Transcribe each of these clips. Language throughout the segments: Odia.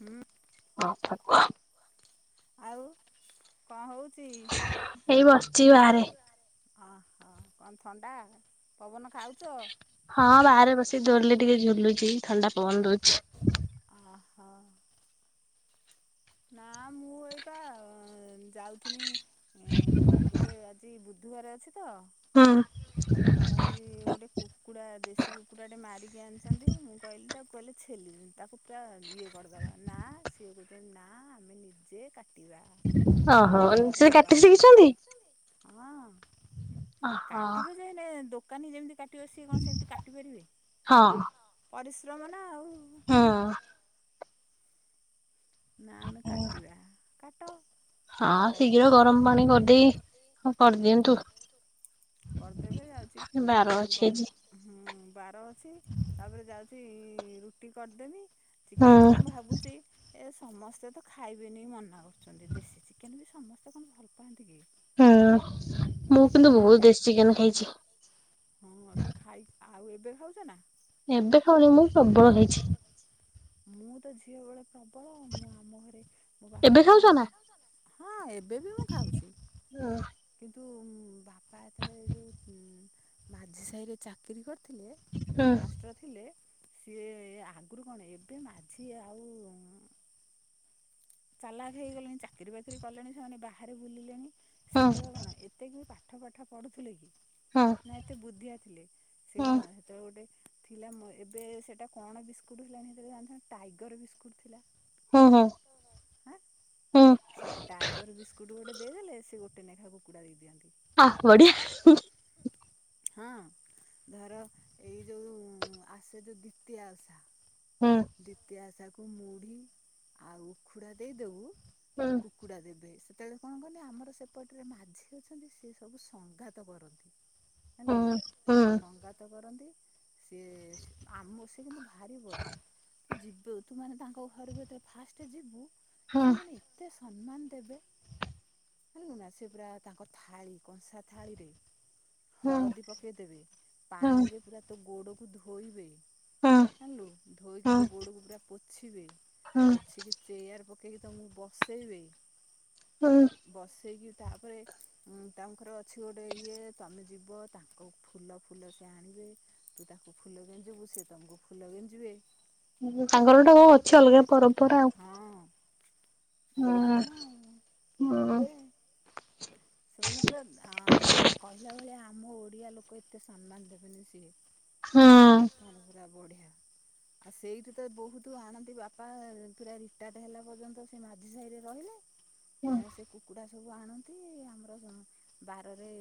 ହୁଁ ହଁ। ଆଉ କଣ ହଉ ଏଇ ବସିଛି ବାହାରେ। ଅହୋ କଣ ଥଣ୍ଡା ପବନ ଖାଉଛ? ହଁ ବାହାରେ ବସିକି ଦୌଲିରେ ଟିକେ ଝୁଲୁ ଥଣ୍ଡା ପବନ ଦଉଛି। ଅହୋ ନା ମୁଁ ଏଇଟା ଯାଉଥିଲିନି ଗୋଟେ ଆଜି ଅଧୁଆରେ ଅଛି ତ। ହଁ। ଆଉରି ଗୋଟେ କୁକୁଡ଼ା ଦେଶୀ କୁକୁଡ଼ାଟେ ମାରିକି ଆଣିଛନ୍ତି ମୁଁ କହିଲି ତାକୁ କହିଲେ ଛେଲି। [unintelligible] ତାକୁ ପୁରା ଇଏ କରିଦବା ନା ସିଏ କହୁଛନ୍ତି ନା ଆମେ ନିଜେ କାଟିବା। ଓହୋ ସେ ଗରମ କାଟି ପାଣି ଶିଖିଛନ୍ତି? ହଁ। ଓହୋ କାଟିବେ ଯେ ହେଲେ ଦୋକାନୀ ଯେମିତି କାଟ କଣ ସେମତି କାଟି ପାରିବେ ପରିଶ୍ରମ ନା ଆଉ। ହଁ। ନା ଆମେ କାଟିବା କାଟ। ହଁ ଆଉ କଣ ଶୀଘ୍ର କରିବା। ଗରମ ପାଣି କରିଦେଇ କରିଦିଅନ୍ତୁ। ହୁଁ କରିଦେବେ ଯାଉଛି ବାର ଅଛି କଣ ଆଜି। ହୁଁ। ବାର ଅଛି ତାପରେ ଯାଉଛି ରୁଟି କରିଦେବି ହୁଁ ଚିକେନକୁ ମୁଁ ଭାବୁଛି। ଏ ସମସ୍ତେ ତ ଖାଇବେନି ମନା କରୁଛନ୍ତି ଦେଶୀ ଚିକେନ ବି ସମସ୍ତେ କଣ ଭଲ ପାଆନ୍ତି କି? ମୁଁ କିନ୍ତୁ ବହୁତ ଦେଶୀ ଚିକେନ ଖାଇଛି। ହଁ ତ ଖାଇ ଆଉ ଏବେ ଖାଉଛନା? ଏବେ ଖାଉନି ମୁଁ ପ୍ରବଳ ଖାଇଛି। ମୁଁ ତ ଝିଅ ବଳେ ପ୍ରବଳ ମୁଁ ଆମ ଘରେ ଏବେ ବାପା ଖାଉଛ ନା? କଣ ହଁ ଏବେ ବି ମୁଁ ଖାଉଛି ହୁଁ କି ତୁ ବାପା ଏତେବେଳେ ଯୋଉ ମାଝି ସାହି ରେ ଚାକିରୀ କରି ଥିଲେ ହୁଁ ମାଷ୍ଟ୍ର ଥିଲେ। ସିଏ ଆଗରୁ କଣ ଏବେ ମାଝି ଆଉ ଚାଲାକ ହେଇଗଲେଣି ଚାକିରି ବାକିରି କଲେଣି ସେମାନେ ବାହାରେ ବୁଲିଲେଣି ସେତେବେଳେ କଣ ଏତେ କି ପା ପାଠ ପାଠ ପଢୁଥିଲେ କି ହୁଁ ନା ଏତେ ବୁଦ୍ଧିଆ ଥିଲେ ସେ ହୁଁ କଣ ସେତେବେଳେ ଗୋଟେ ଥିଲା ମୋ ଏବେ ସେଟା କଣ ବିସ୍କୁଟ ହେଲାଣି [unintelligible] ଟାଇଗର ବିସ୍କୁଟ ଥିଲା। ହୁଁ ହୁଁ ହାଁ ହୁଁ ସେ ଟାଇଗର ବିସ୍କୁଟ ଗୋଟେ ଦେଇଦେଲେ ସେ ଗୋଟେ ନେଖା କୁକୁଡ଼ା ଦେଇ ଦିଅନ୍ତି। ଆ ବଢିଆ। ହଁ ଧର ଏଇ ଯୋଉ ଆସେ ଯୋଉ ଦ୍ୱତୀୟ ଓଷା। ହୁଁ ଦ୍ୱିତୀୟ ଓଷାକୁ ମୁଢି ଆଉ ଉଖୁଡ଼ା ଦେଇଦବୁ ହୁଁ କୁକୁଡ଼ା ଦେବେ ସେ ସେତେବେଳେ କଣ କଲେ ଆମର ସେପଟରେ ମାଝୀ ଅଛନ୍ତି ସ ସବୁ ସଂଘାତ କରନ୍ତି। ହୁଁ ଯାଇଲନା ହୁଁ ସଙ୍ଗାତ କରନ୍ତି ସିଏ ଆମ ସେ କିନ୍ତୁ ଭାରି ବଢିଆ ଯିବୁ ତୁ ତାଙ୍କ ଘରକୁ ଫାଷ୍ଟ୍ ଯିବୁ ହୁଁ ସେମାନେ ଏତେ ସମ୍ମାନ ଦେବେ। ଝିଲୁନା ସେ ପୁରା ତାଙ୍କ ଥାଳି କଂସା ଥାଳିରେ ହୁଁ ହଳଦୀ ପକେଇଦବେ ହୁଁ ପାଣିରେ ପୁରା ତୋ ଗୋଡକୁ ଧୋଇବେ। ହୁଁ। ଆଲୁ ଧୋଇକି ହଁ ତୋ ଗୋଡ଼କୁ ପୁରା ପୋଛିିବେ, ହଁ ପୋଛି କି ଚେୟାର ପକେଇକି ତମୁକୁ ବସେଇବି ହଁ ବସେଇକି ତାପରେ ତାଙ୍କର ଅଛି ଗୋଟେ ଇଏ ତମେ ଯିବ ତାଙ୍କ ଫୁଲ ଫୁଲ ସେ ଆଣିବି। ତୁ ତାକୁ ଫୁଲ ଗେଞ୍ଜିବୁ ସେ ତମକୁ ଫୁଲ ଗେଞ୍ଜିବେ। ହୁଁ ତାଙ୍କର ଗୋଟା ଅଛି ଅଲଗା ପରମ୍ପରା ଆଉ। ବଢିଆ ହଁ ନା ହଁ ହୁଏ। ସେମାନେ ପୁରା ଆ କହିଲା ଭଳିଆ ଆମ ଓଡିଆ ଲୋକ ଏତେ ସମ୍ମାନ ଦେବେନି ସିଏ ହଁ ବା ବଢ଼ିଆ ଆଉ ସେଇଠି ତ ବହୁତ ଆଣନ୍ତି ବାପା ପୁରା ରିଟାୟାର୍ଡ ହେଲା ପର୍ଯ୍ୟନ୍ତ ସେ ମାଝି ସାହିରେ ରହିଲେ। ଆ ସେ କୁକୁଡ଼ା ସବୁ ଆଣନ୍ତି। ଆମର ବାରରେ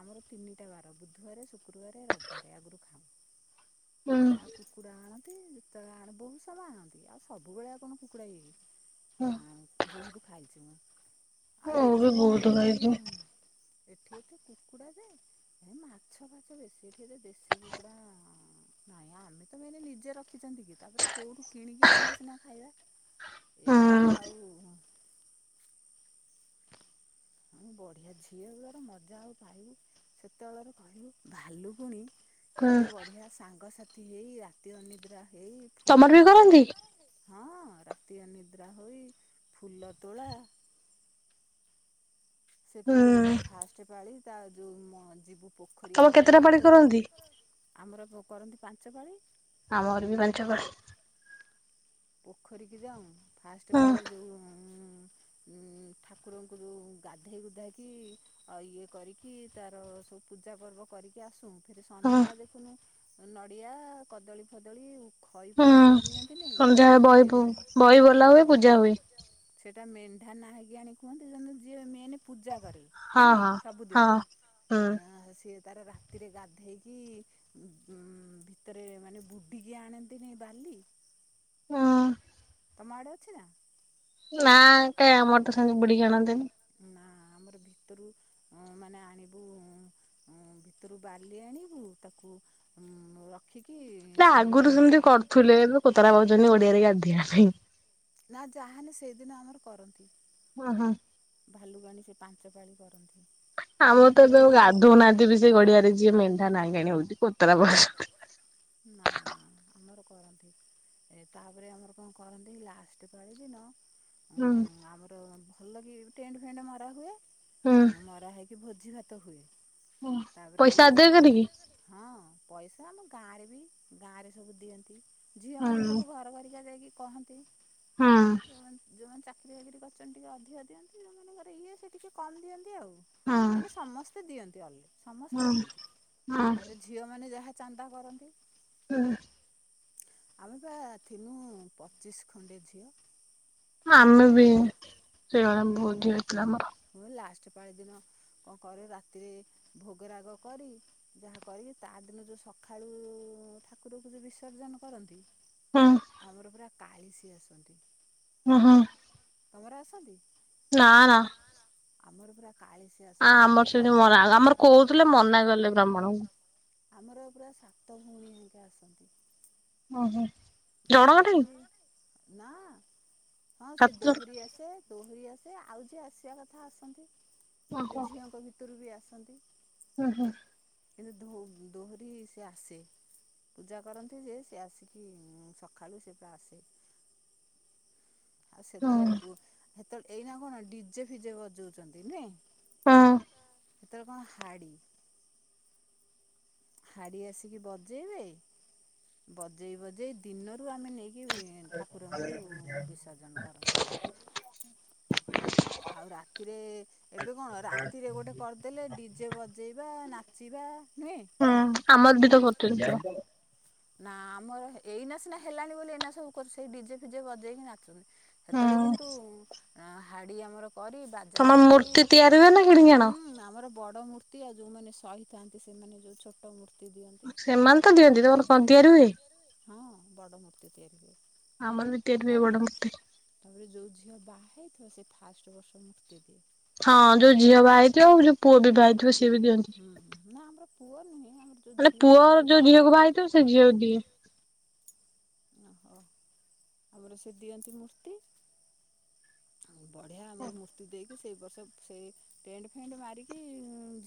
ଆମର ତିନିଟା ବାର ବୁଧବାର ଶୁକ୍ରବାର ରେ ରବିବାର ଆଗରୁ ଖାଉ। ଆଉ କୁକୁଡା ଆଣନ୍ତି ଯେତବେଳେ ଆଣ ବହୁତ ସବୁ ଆଣନ୍ତି ଆଉ ସବୁବେେଳେ ଆଉ କଣ କୁକୁଡା ହେଇକି ହଁ ହ ବହୁତ ଖାଇଚି ମୁଁ ଆଉ ମୁଁ ବି ଏଠି କଣ ବହୁତ ଏଠି ଖାଇଛି। ଏଠି ଏତେ କୁକୁଡା ଯେ ଏ ମାଛ ଫାଛ ବେଶୀ ଏଠି ଏତେ ଦେଶୀ କୁକୁଡା ନାଇଁ ଆମେ ତ ମାନେ ନିଜେ ରଖିଚନ୍ତି କି ତାପରେ କୋଉଠୁ କିଣିକି ଆଣିଲେ ସିନା ଖାଇବା। ଏଇନା ବି ହଁ ଆଉ [inaudible] ବଢ଼ିଆ ଝିଅ ବଳର ମଜା ଆଉ ପାଇବୁ ସେତେବେଳର କହିବୁ ଭାଲୁକୁଣି ହଁ କେତେ ବଢିଆ ସାଙ୍ଗସାଥି ହେଇ ରାତି ଅନିଦ୍ରା ଏଇ ତମର ଫୁଲ ବି ତୋଳି କରନ୍ତି? ହଁ ରାତି ଅନିଦ୍ରା ହୋଇ ଫୁଲ ତୋଳା ସେ ପୁରା ଯେ ହୁଁ ଯେ ଫାଷ୍ଟ ପାଳି ତା ଯୋଉ ଯିବୁ ପୋଖରୀ ତମ ଆମର କେତେଟା ପାଡି ପୋଖରୀ କରନ୍ତି? ଆମର ଅ କରନ୍ତି ପାଞ୍ଚ ପାଳି। ଆମ ମର ବି ପାଞ୍ଚ ପାଳି। ପୋଖରୀକୁି ଯାଉ ଫାଷ୍ଟ ହଁ ପାଳି ଯୋଉ ଠାକୁରଙ୍କୁ ଯୋଉ ଗାଧେଇ ଗୁଧେଇକି ଆ ଇଏ କରିକି ତାର ସବୁ ପୂଜା ପର୍ବ କରିକି ଆସୁ ଫେରେ ହଁ ସନ୍ଧ୍ୟା ବଳେ ଦେଖୁନୁ ନଡିଆ କଦଳୀ ଫଦଳୀ ଖଇ ହୁଁ ଫଇ ସବୁ ନିଅନ୍ତି ନାଇଁ? ସନ୍ଧ୍ୟାବେଳେ ବହି ବହି ବୋଲା ହୁଏ ପୂଜା ହୁଏ। ସେଇଟା ମେଣ୍ଢା ନା ହେକି ଆଣି କୁହନ୍ତି ଯେୁ ଯିଏ ମେନେ ପୂଜା କରେ ହଁ ନୁହେଁ ହଁ ହଁ ହୁଁ ସବୁଦିନ ଆ ସେ ତାର ରାତିରେ ଗାଧେଇକି ଉ ଭିତରେ ମାନେ ବୁଡ଼ିକି ଆଣନ୍ତିନି ବାଲି? ଟି ହୁଁ ତମ ଆଡେ ଅଛି ନା? ନା କାଇଁ ଆମର ତ ସେ ବୁଡିକି ଆଣନ୍ତିନି? ନା ଆମର ଭିତରୁ ଅ ମାନେ ଆଣିବୁ ଅ ଭିତରୁ ବାଲି ଆଣିବୁ ତାକୁ ହୁଁ। ହେଲେ ଆଗରୁ ସେମିତି କରୁଥିଲେ ଏବେ କୁତରା ପାଉଚନ୍ତି ଓଡିଆରେ ଗାଧିବା ପାଇଁ। ନା ଯାହାନି ସେଇଦିନ ଆମର କରନ୍ତି। ହଁ ହଁ। ଭାଲୁକୁଣି ସେ ପାଞ୍ଚ ପାଳି କରନ୍ତି। ଆମର ତ କିନ୍ତୁ ଏବେ ଲା ଆଉ ଗାଧଉନାହାନ୍ତି ବି ସେ ଗଡିଆରେ ଯିଏ ମେଣ୍ଢା ନାହିଁ କିଣି ହଉଚି କ ତ ରା [unintelligible] ନା ନା ଆମର କରନ୍ତି। ଏ ତାପରେ ଆମର କଣ କରନ୍ତି ଲାଷ୍ଟ ପାଳି ଦିନ ଆମର ଭଲ କି ଟେ ଫେଟ ମରା ହୁଏ ହୁଁ ମରା ହେଇକି କି ଭୋଜି ଭାତ ହୁଏ ତାପରେ ପଇସା ଆଦାୟ କରିକି ସ ହଁ ପଇସା ଆମ ଗାଁ ରେ ବି ଗାଁ ରେ ସବୁ ଦିଅନ୍ତି ଝିଅ ହୁଁ ମାନେ ସବୁ ଘର ଘରିକା ଯାଇକି କହ ନ୍ତି। ହୁଁ ଯୋଉମାନେ ଯୋଉମାନେ ଚା ଚାକିରିକିରି କରଚଛନ୍ତି ଟିକେ ଅଧିକ ଦିଅନ୍ତି, ସେଉମାନଙ୍କର ଇଏ ସେଏ ଟିକେ କମ୍ ଦିଅନ୍ତି ଆଉ। ହୁଁ ମାନେ ସମସ୍ତେ ଦିଅନ୍ତି ଅ ସମସ୍ତେ ହୁଁ ଦିଅନ୍ତି ହୁଁ ତାପରେ ଝିଅ ମାନେ ଯାହା ଚାନ୍ଦା କରନ୍ତି। ହୁଁ। ଆମେ ବା ଥିଲୁ ପଚିଶ ଖଣ୍ଡେ ଝିଅ। ଆମେ ବି [unintelligible] ହୋଇଥିଲା ଆମର। ମୁଁ ଲାଷ୍ଟ ପାଳି ଦିନ କଣ କରେ ରାତିରେ ଭୋଗରାଗ କରି, ଯାହା କରି ତା ଆରଦିନ ଯୋଉ ସଖାଳୁ ଉ ଠାକୁରକୁ ଯୋଉ ବିସର୍ଜନ କରନ୍ତି। ହୁଁ ଆମର ପୁରା କାଳିସୀ ଆସନ୍ତି। ଓ ହୋ। ତମର ଆସନ୍ତିି? ନାଁ ନା। ଆମର ପୁରା ଆ ଆମର ସେଠି ମରା ହେଲା ଆମର କହୁଥିଲେ ମନା କଲେ ବ୍ରାହ୍ମଣଙ୍କୁ। ଆମର ପୁରା ସାତ ଭଉଣୀ ହାରିକା ଆସନ୍ତି। ଓ ହୋ। ଆସନ୍ତି, ନାଁ ଆ ହଁ ସେ ସାତ ଜଣ ଦୋହରି ଆସେ, ଦୋହରି ଆ ସେ ଆଉ ଯିଏ ଆସିବା କଥା ଆସନ୍ତି ସେ ଓହୋ ଝିଅଙ୍କ ଭିତରୁ ବି ଆସନ୍ତି। ହୁଁ ହୁଁ। କିନ୍ତୁ ଧୋ ଦୋହରି ସେ ଆସେ ପୂଜା କରନ୍ତି ଯେ ସେ ଆସିକି ଉଁ ସଖାଳୁ ସେ ପା ଆସେ। ଆଉ ହୁଁ ସେତେବେଳେପୁଅ ସେତେବେଳେ ଏଇନା କଣ ଡିଜେ ଫିଜେ ବଜଉଛନ୍ତି ନୁହେଁ? ହଁ। ସେତେବେଳେ କଣ ହାଡି। ହାଡି ଆସିକି ବଜେଇବେ, ବଜେଇ ବଜେଇ ଦିନରୁ ଆମେ ନେଇ କରନ୍ତି [unintelligible] ଆଉ ରାତିରେ ଏବେ କଣ ରାତିରେ ଗୋଟେ କରିଦେଲେ ଡିଜେ ବଜେଇବା ନା ଚିବା। ହୁଁ ଆମର ବି ତ କରିଛନ୍ତି। ନା ଆମର ଏଇନା ସିନା ହେଲାଣି ବୋଲି ଏଇନା ସବୁ କରୁଚେ ସେଇ ଡିଜେ ଫିଜେ ବଜେଇକି ନାଚୁଛନ୍ତି। ହୁଁ ସେତେବେଳେ କିନ୍ତୁ ଅ ହାଡି ଆମର କରି ତମର ବାଜାବଜେଇ ମୂର୍ତ୍ତି ତିଆରି ହୁଏ ନା କିଣିକି ଆଣ ହୁଁ ଆମର ବଡ ମୂର୍ତ୍ତି ଆଉ ଯୋଉମାନେ ସହିଥାନ୍ତି ସେମାନେ ଯଉ ଛୋଟ ମୂର୍ତ୍ତି ଦିଅନ୍ତି ସେମାନେ ତ ଦିଅନ୍ତି ତମର କଣ ତିଆରି ହୁଏ? ହଁ, ବଡ଼ ମୂର୍ତ୍ତି ତିଆରି ହୁଏ। ଆମର ବିି ତିଆରି ହୁଏ ତା ବଡ ମୂର୍ତ୍ତି। ହଁ ସେ ଫାର୍ଷ୍ଟ ବର୍ଷ ମୂର୍ତ୍ତି ଦିଏ। ହଁ ଯୋଉ ଝିଅ ବାହା ହେଇଥିବ ଆଉ ଯୋଉ ପୁଅ ବି ବାହା ହେଇଥିବ ସିଏ ବି ଦିଅନ୍ତି। ହୁଁ ନା ଆମର ପୁଅ ନୁହେଁ ଆମର ଯୋଉ ମାନେ ଝିଅ ପୁଅ ବାହା ଯୋଉ ହେଇଥିବ ଝିଅକୁ ବାହାହେଇଥିବ ସେ ଝିଅକୁ ଦିଏ। ଓହୋ ତାପରେ ସେ ଦିଅନ୍ତି ମୂର୍ତ୍ତି। ବଢିଆ ଆମର ମୂର୍ତ୍ତି ଦେଇ ସେ ବର୍ଷ ସେଇ ଟେଣ୍ଡ ଫେଣ୍ଡ ମାରିକି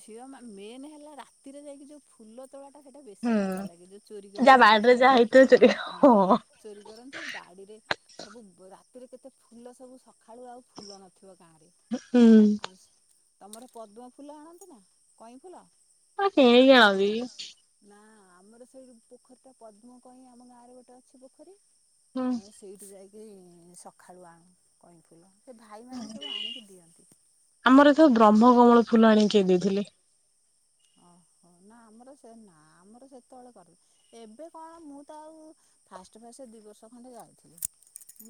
ଝିଅ ମା ମେନେ ହେଲା ରାତିରେ ଯାଇକି ଯୋଉ ଫୁଲ ତୋ ତୋଳା ଟା ସେଇଟା ବେଶୀ ମଜା ଲାଗେ, ଯୋଉ ଚୋରି ଯାହା କରିକି ବାଡିରେ ସମସ୍ତଙ୍କ ଯାହା ବା ହେଇଥିବ ଚୋରେଇକି ହଁ, ଚୋରି କରନ୍ତି ବାଡିରେ ସବୁ ବ୍ ରାତିରେ କେତେ ଫୁଲ ସବୁ ସଖାଳୁ ଆଉ ଫୁଲ ନଥିବ। ଗାଁରେ ହୁଁ। ଆମେ ତମର ପଦ୍ମ ଫୁଲ ଆଣନ୍ତି ନା କଇଁ ଫୁଲ? [unintelligible] ନା ଆମର ସେଇ ପୋଖରୀଟା ପଦ୍ମ କଇଁ ଆମ ଗାଁରେ ଗୋଟେ ଅଛି ପୋଖରୀ ହୁଁ ଆମେ ସେଉଠୁ ଯାଇକି ସଖାଳୁ ଆଣୁ କଇଁଫୁଲ। ସେ ଭାଇମାନେ ସବୁ ଆଣିକି ଦିଅନ୍ତି। ଆମର ଏଥର ବ୍ରହ୍ମ କମଳ ଫୁଲ ଆଣିକି କିଏ ଦେଇଥିଲେ? [unintelligible] ନା ଆମର ସେ ନା ଆମର ସେତେବେଳେ କରେ ଏବେ କଣ ମୁଁ ତ ଆଉ ଫାଷ୍ଟ ଏ ସେ ଦୁଇ ବର୍ଷ ଖଣ୍ଡେ ଯାଇଥିଲି,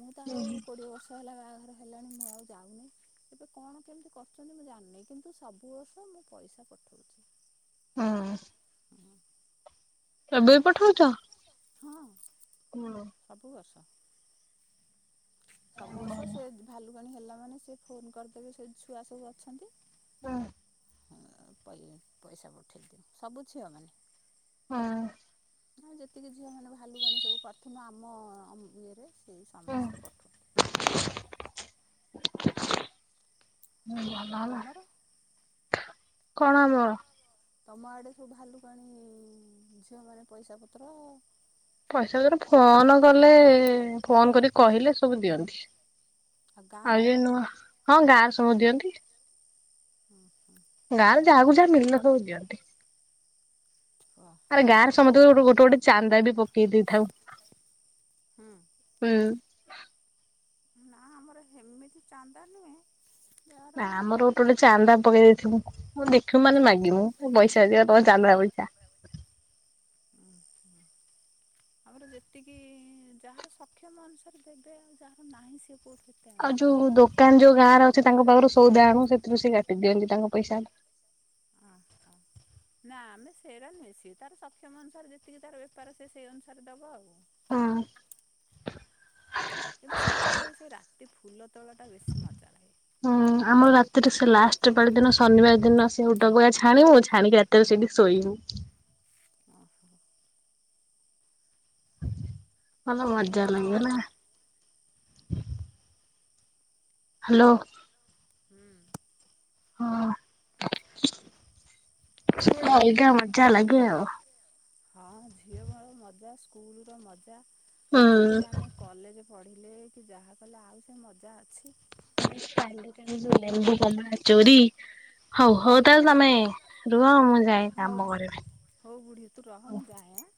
ମୁଁ ତ ଆଉ କୋଡ଼ିଏ ବର୍ଷ ହେଲା ବାହାଘର ହେଲାଣି ମୁଁ ଆଉ ଆଉ ଯାଉନି ଏବେ କଣ କେମିତି କରୁଛନ୍ତି ମୁଁ ଜାଣିନି କିନ୍ତୁ ସବୁ ବର୍ଷ ମୁଁ ପଇସା ପଠଉଛି। ହଁ। ଏବେ ବି ପଠଉଚ? ହଁ। ସବୁ [unintelligible] ବର୍ଷ ସବୁ ବର୍ଷ ସେ ଭାଲୁକାଣୀ ହେଲା ମାନେ ସେ ଫୋନ କରିଦେବେ ସେ ଛୁଆ ସବୁ ଅଛନ୍ତି। ପଇ ପଇସା ପଇସା ପଠେଇ ଦଉଚି ସବୁ ଝିଅ ମାନେ। ହଁ। ଆ ଯେତିକି ଝିଅମାନେ ଭାଲୁକଣି ସବୁ କରିଥିଲୁ ଆମ ଇଏରେ ସେଇ ସମସ୍ତେ ପଠନ୍ତି। ଆଉ ଭଲ ହେଲା। ତମର କଣ ଆମର। ତମ ଆଡେ ସବୁ ଭାଲୁକଣି ଝିଅମାନେ ପଇସା ପତ୍ର ପଇସାପତ୍ର ଫୋନ କଲେ, ଫୋନ କରିକି କହିଲେ ସବୁ ଦିଅନ୍ତି। ଆଉ ଯ ନୂଆ ହଁ ଗାଁରେ ସବୁ ଦିଅନ୍ତି। ହୁଁ। ହୁଁ ଗାଁରେ ଯାହାକୁ ଯାହା ମିଳିଲା ସବୁ ଦିଅନ୍ତି। ଆରେ ଓହୋ ଗାଁରେ ସମସ୍ତେ ଗୋ ଗୋଟେ ଗୋଟେ ଚାନ୍ଦା ବି ପକେଇ ଦେଇଥାଉ। ହୁଁ ହୁଁ। ନା ଆମର ହେମିତି ଚାନ୍ଦା ନୁହେଁ। ଯାହାର ନା ମାନେ ଆମର ଗୋଟେ ଗୋଟେ ଚାନ୍ଦା ପକେଇ ଦେଇଥିବୁଁ ଦେଖିବୁ ମାନେ ମାଗିବୁ ପଇସା ଆସିବା ତମେ ଚାନ୍ଦା ପ ଆ। ହ ଆମର ଯେତିକି ଯାହାର ସକ୍ଷମ ଅନୁସାରେ ଦେବେ ଆଉ ଯାହା ନାହିଁ ସେ। ଆଉ ଯୋଉ ଦୋକାନ ଯୋଉ ଗାଁରେ ଅଛି ତାଙ୍କ ପାଖରୁ ସଉଦା ଆଣୁ ସେଥିରୁ ସେ କାଟି ଦିଅନ୍ତି ତାଙ୍କ ପଇସା। ନା ଆମେ ସେଇଟା ମିସି ତାର ସକ୍ଷମ ଅନୁସାରେ ଯେତିକି ତାର ବେପାର ସେ ସେଇ ଅନୁସାରେ ଦବ ଆଉ। ହଁ। କିନ୍ତୁ ସବୁଠୁ ସେଇ ରାତି ଫୁଲ। ତୋଳଟା ବେଶୀ ମଜା ଲାଗେ। ହୁଁ ଆମର ରାତିଠୁ ସେ ଲାଷ୍ଟ ପାଳିଦିନ ଶନିବାର ଦିନ ସେଟକୁଆ ଛାଣିବୁ ଛାଣିକି ରାତିରେ ସେଇଠି ଶୋଇବୁ। ଓହୋ ଭଲ ବଢ଼ିଆ ମଜା ଲାଗ ନା। ମଜା ହ୍ୟାଲୋ। ହୁଁ। ହଁ ଅଲଗା ମଜା ଲାଗେ ଆଉ। ହଁ ଝିଅ ବେଳେ ମଜା ସ୍କୁଲର ମଜା ହୁଁ ତୁ ଯେତେ ଆମେ କଲେଜ ପଢିଲେ କି ଯାହା କଲେ ଆଉ ସେ ମଜା ଅଛି? ଲେମ୍ବୁ କମଳା ଚୋରି। ହଉ ହଉ ତାହେଲେ ତମେ ରୁହ ମୁ ହଉ ହଉ ବୁଢୀ ତୁ ରହ ମୁଁ ଯାଏଆଁ